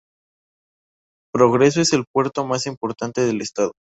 Progreso es el puerto más importante del estado.